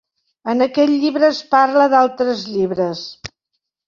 En aquest llibre es parla d'altres llibres.